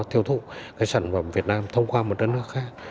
tiêu thụ cái sản phẩm việt nam thông qua một đất nước khác